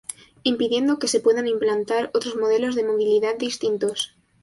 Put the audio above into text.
impidiendo que se puedan implantar otros modelos de movilidad distintos.